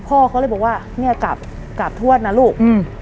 พ่อเขาเลยบอกว่าเนี่ยกราบทวดนะลูก